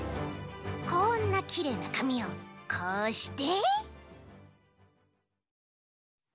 こんなきれいなかみをこうして。